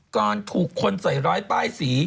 ก่อนถูกคนใส่ร้อยป้ายสี